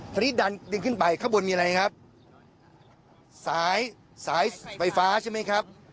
ทีนี้ดันดึงขึ้นไปข้างบนมีอะไรครับสายสายไฟฟ้าใช่ไหมครับ